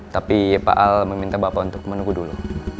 tapi pak al meminta bapak untuk menunggu dulu